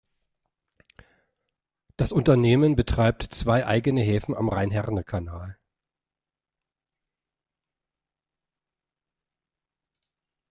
Das Unternehmen betreibt zwei eigene Häfen am Rhein-Herne-Kanal.